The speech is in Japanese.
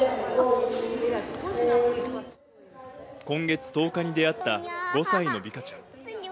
今月１０日に出会った５歳のヴィカちゃん。